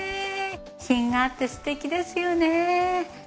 品があって素敵ですよね。